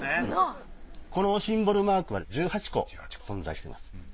このシンボルマークは１８個存在してます。